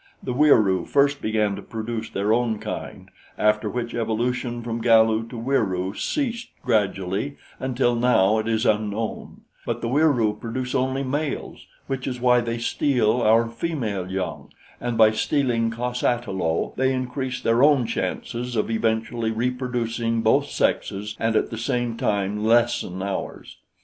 The Wieroo first began to produce their own kind after which evolution from Galu to Wieroo ceased gradually until now it is unknown; but the Wieroo produce only males which is why they steal our female young, and by stealing cos ata lo they increase their own chances of eventually reproducing both sexes and at the same time lessen ours.